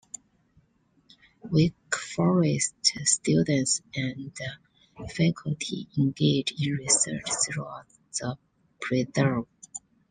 Wake Forest students and faculty engage in research throughout the preserve.